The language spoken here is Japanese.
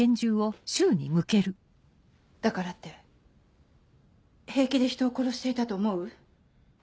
だからって平気で人を殺していたと思う？